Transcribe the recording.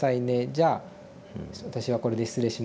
じゃあ私はこれで失礼しますね」